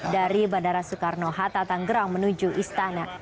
dari bandara soekarno hatta tanggerang menuju istana